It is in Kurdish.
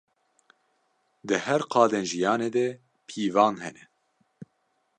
Di her qadên jiyanê de pîvan hene.